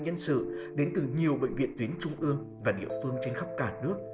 nhân sự đến từ nhiều bệnh viện tuyến trung ương và địa phương trên khắp cả nước